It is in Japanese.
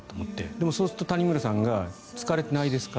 でも、そうすると谷村さんが疲れてないですか？